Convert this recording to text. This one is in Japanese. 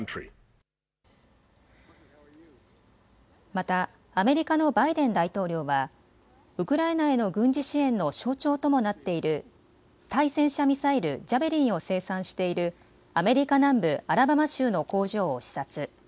またアメリカのバイデン大統領はウクライナへの軍事支援の象徴ともなっている対戦車ミサイル、ジャベリンを生産しているアメリカ南部アラバマ州の工場を視察。